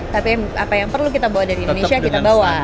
tapi apa yang perlu kita bawa dari indonesia kita bawa